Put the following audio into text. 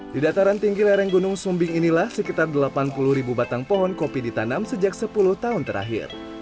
di dataran tinggi lereng gunung sumbing inilah sekitar delapan puluh ribu batang pohon kopi ditanam sejak sepuluh tahun terakhir